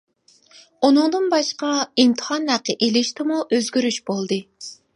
ئۇنىڭدىن باشقا، ئىمتىھان ھەققى ئېلىشتىمۇ ئۆزگىرىش بولدى.